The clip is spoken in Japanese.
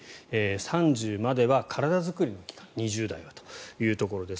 ３０までは体作りの期間２０代はということです。